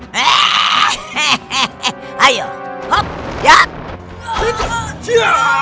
jangan putih kau